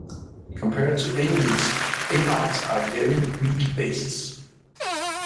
Compared to amines, amides are very weak bases.